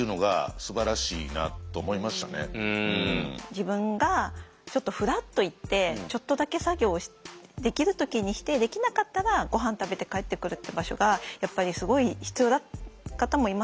自分がちょっとフラッと行ってちょっとだけ作業をできる時にしてできなかったらごはん食べて帰ってくるって場所がやっぱりすごい必要な方もいますし